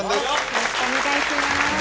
よろしくお願いします